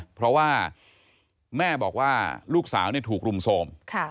เพราะว่าแม่บอกว่าลูกสาวถูกรุมโทรม